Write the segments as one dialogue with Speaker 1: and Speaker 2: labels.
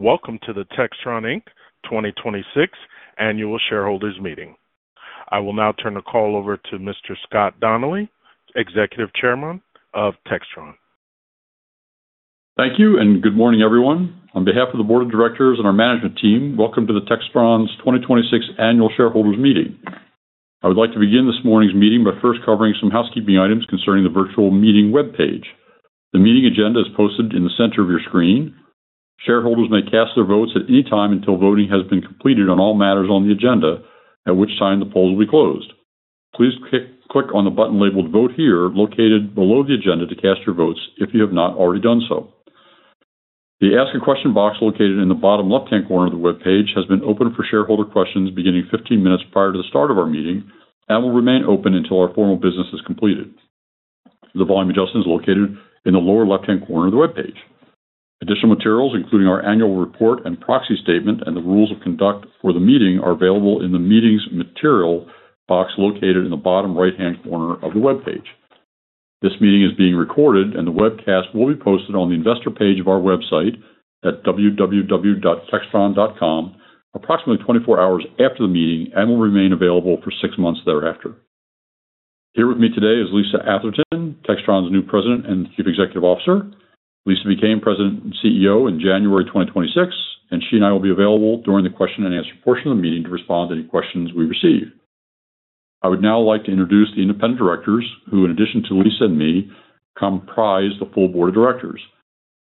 Speaker 1: Welcome to the Textron Inc. 2026 Annual Shareholders Meeting. I will now turn the call over to Mr. Scott Donnelly, Executive Chairman of Textron.
Speaker 2: Thank you and good morning, everyone. On behalf of the board of directors and our management team, welcome to the Textron's 2026 Annual Shareholders Meeting. I would like to begin this morning's meeting by first covering some housekeeping items concerning the virtual meeting webpage. The meeting agenda is posted in the center of your screen. Shareholders may cast their votes at any time until voting has been completed on all matters on the agenda, at which time the polls will be closed. Please click on the button labeled Vote Here, located below the agenda to cast your votes if you have not already done so. The Ask A Question box located in the bottom left-hand corner of the webpage has been open for shareholder questions beginning 15 minutes prior to the start of our meeting and will remain open until our formal business is completed. The volume adjustment is located in the lower left-hand corner of the webpage. Additional materials, including our annual report and proxy statement and the rules of conduct for the meeting, are available in the Meetings Material box located in the bottom right-hand corner of the webpage. This meeting is being recorded, and the webcast will be posted on the investor page of our website at www.textron.com approximately 24 hours after the meeting and will remain available for six months thereafter. Here with me today is Lisa Atherton, Textron's new President and Chief Executive Officer. Lisa became President and CEO in January 2026, and she and I will be available during the question-and-answer portion of the meeting to respond to any questions we receive. I would now like to introduce the independent directors who, in addition to Lisa and me, comprise the full board of directors.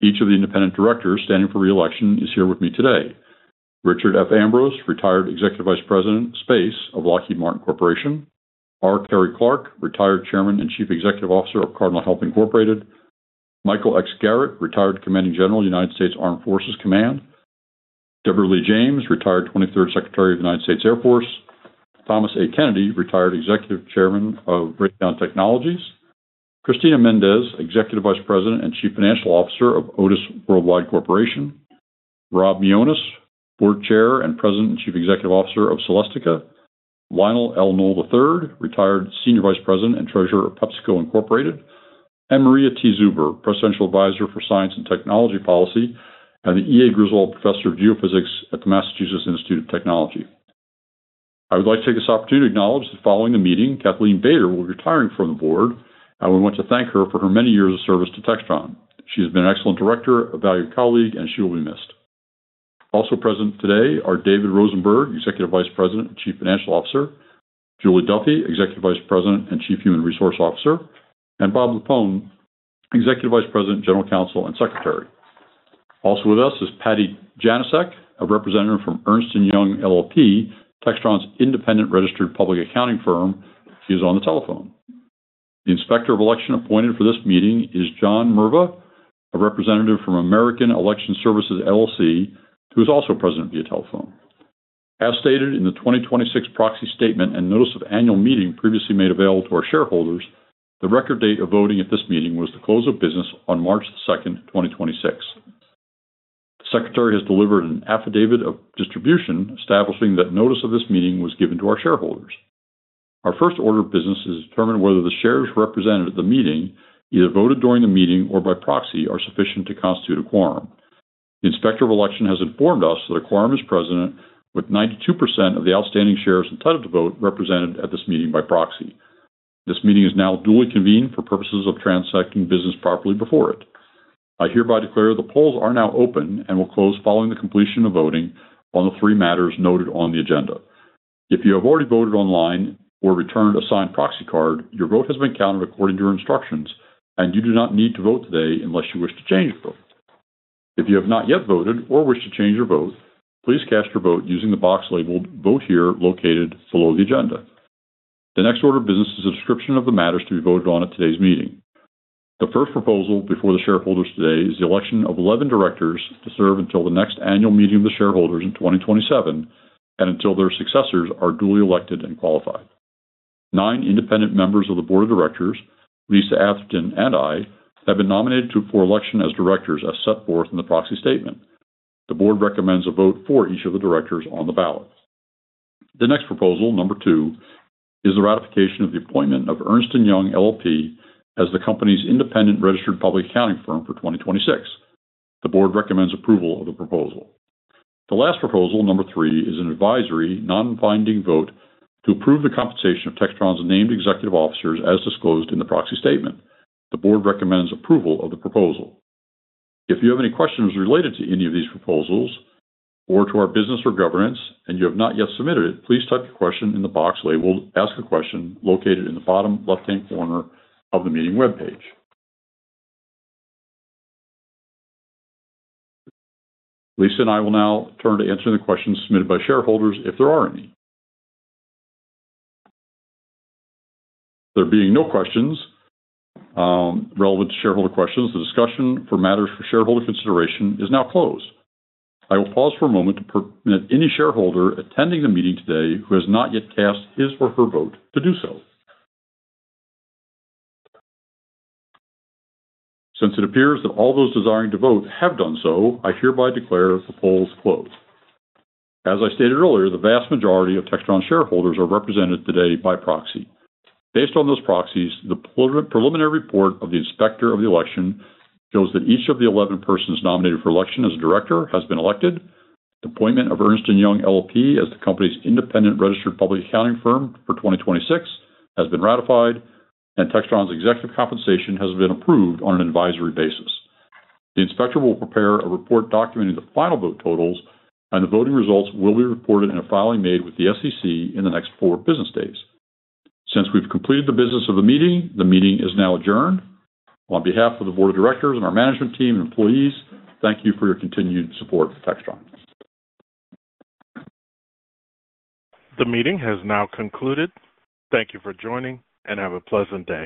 Speaker 2: Each of the independent directors standing for re-election is here with me today. Richard F. Ambrose, retired Executive Vice President, Space of Lockheed Martin Corporation. R. Kerry Clark, retired Chairman and Chief Executive Officer of Cardinal Health, Inc. Michael X. Garrett, retired Commanding General, United States Army Forces Command. Deborah Lee James, retired 23rd Secretary of the United States Air Force. Thomas A. Kennedy, retired Executive Chairman of Raytheon Technologies. Cristina Méndez, Executive Vice President and Chief Financial Officer of Otis Worldwide Corporation. Rob Mionis, Board Chair and President and Chief Executive Officer of Celestica. Lionel L. Nowell III, retired Senior Vice President and Treasurer of PepsiCo, Inc. Maria T. Zuber, Presidential Advisor for Science and Technology Policy, and the EA Griswold Professor of Geophysics at the Massachusetts Institute of Technology. I would like to take this opportunity to acknowledge that following the meeting, Kathleen Bader will be retiring from the board, and we want to thank her for her many years of service to Textron. She has been an excellent director, a valued colleague, and she will be missed. Also present today are David Rosenberg, Executive Vice President and Chief Financial Officer, Julie Duffy, Executive Vice President and Chief Human Resources Officer, and Bob Lupone, Executive Vice President, General Counsel, and Secretary. Also with us is Patty Janecek, a representative from Ernst & Young LLP, Textron's independent registered public accounting firm. She is on the telephone. The Inspector of Election appointed for this meeting is John Merva, a representative from American Election Services, LLC, who is also present via telephone. As stated in the 2026 proxy statement and notice of annual meeting previously made available to our shareholders, the record date of voting at this meeting was the close of business on March 2nd, 2026. The Secretary has delivered an affidavit of distribution establishing that notice of this meeting was given to our shareholders. Our first order of business is to determine whether the shares represented at the meeting, either voted during the meeting or by proxy, are sufficient to constitute a quorum. The Inspector of Election has informed us that a quorum is present with 92% of the outstanding shares entitled to vote represented at this meeting by proxy. This meeting is now duly convened for purposes of transacting business properly before it. I hereby declare the polls are now open and will close following the completion of voting on the three matters noted on the agenda. If you have already voted online or returned a signed proxy card, your vote has been counted according to your instructions, and you do not need to vote today unless you wish to change your vote. If you have not yet voted or wish to change your vote, please cast your vote using the box labeled Vote Here, located below the agenda. The next order of business is a description of the matters to be voted on at today's meeting. The first proposal before the shareholders today is the election of 11 directors to serve until the next annual meeting of the shareholders in 2027 and until their successors are duly elected and qualified. Nine independent members of the board of directors, Lisa Atherton and I, have been nominated for election as directors as set forth in the proxy statement. The board recommends a vote for each of the directors on the ballot. The next proposal, number two, is the ratification of the appointment of Ernst & Young LLP as the company's independent registered public accounting firm for 2026. The board recommends approval of the proposal. The last proposal, number three, is an advisory, non-binding vote to approve the compensation of Textron's named executive officers as disclosed in the proxy statement. The board recommends approval of the proposal. If you have any questions related to any of these proposals or to our business or governance, and you have not yet submitted it, please type your question in the box labeled Ask a Question, located in the bottom left-hand corner of the meeting webpage. Lisa and I will now turn to answering the questions submitted by shareholders, if there are any. There being no questions, relevant to shareholder questions, the discussion for matters for shareholder consideration is now closed. I will pause for a moment to let any shareholder attending the meeting today who has not yet cast his or her vote to do so. Since it appears that all those desiring to vote have done so, I hereby declare the polls closed. As I stated earlier, the vast majority of Textron shareholders are represented today by proxy. Based on those proxies, the preliminary report of the Inspector of the Election shows that each of the 11 persons nominated for election as a director has been elected, the appointment of Ernst & Young LLP as the company's independent registered public accounting firm for 2026 has been ratified, and Textron's executive compensation has been approved on an advisory basis. The inspector will prepare a report documenting the final vote totals, and the voting results will be reported in a filing made with the SEC in the next four business days. Since we've completed the business of the meeting, the meeting is now adjourned. On behalf of the board of directors and our management team and employees, thank you for your continued support for Textron.
Speaker 1: The meeting has now concluded. Thank you for joining, and have a pleasant day.